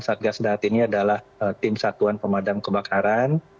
satgas darat ini adalah tim satuan pemadaman